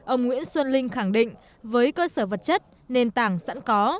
ông nguyễn xuân linh khẳng định với cơ sở vật chất nền tảng sẵn có